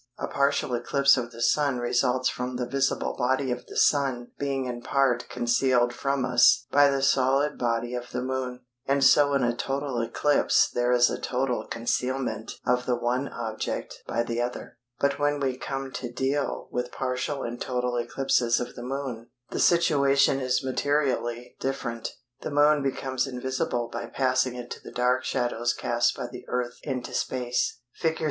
A partial eclipse of the Sun results from the visible body of the Sun being in part concealed from us by the solid body of the Moon, and so in a total eclipse there is total concealment of the one object by the other. But when we come to deal with partial and total eclipses of the Moon, the situation, is materially different. The Moon becomes invisible by passing into the dark shadow cast by the Earth into space. [Illustration: FIG. 13.